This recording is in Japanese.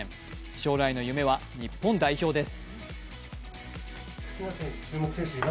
将来の夢は日本代表です。